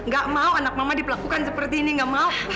gak mau anak mama diperlakukan seperti ini gak mau